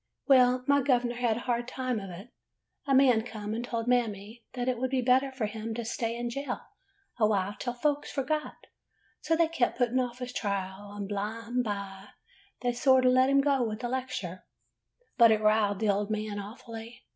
"Well, my gov'ner had a hard time of it. A man come and told Mammy that it would be better for him to stay in jail awhile till folks forgot; so they kept putting off his trial, and bime by they sort o' let him go with a lecture, but it riled the old man awfully.